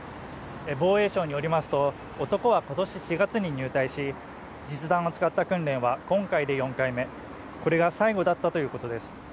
防衛省によりますと、男は今年４月に入隊し、実弾を使った訓練は今回で４回目これが最後だったということです。